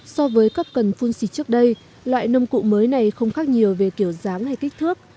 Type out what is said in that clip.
so với các cần phun xịt trước đây loại nông cụ mới này không khác nhiều về kiểu dáng hay kích thước